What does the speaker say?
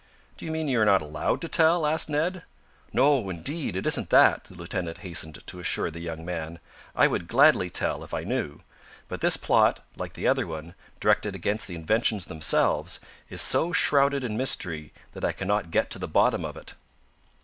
"Do you mean you are not allowed to tell?" asked Ned. "No, indeed; it isn't that!" the lieutenant hastened to assure the young man. "I would gladly tell, if I knew. But this plot, like the other one, directed against the inventions themselves, is so shrouded in mystery that I cannot get to the bottom of it.